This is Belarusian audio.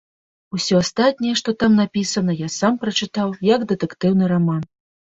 Усё астатняе, што там напісана, я сам прачытаў як дэтэктыўны раман.